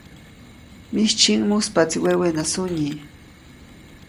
Mijtsyjiʼŋ, muspaʼtsi wewena sunyi.